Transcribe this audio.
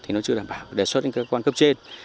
thì nó chưa đảm bảo đề xuất đến cơ quan cấp trên